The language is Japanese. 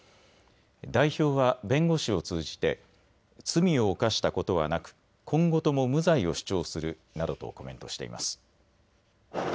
代表は弁護士を通じて罪を犯したことはなく今後とも無罪を主張するなどとコメントしています。